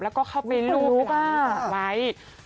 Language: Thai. แล้วก็เข้าไปลุกไว้